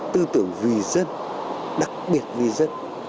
tư tưởng vì dân đặc biệt vì dân